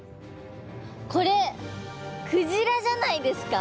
これクジラじゃないですか？